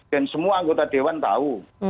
dan semua anggota dewan tahu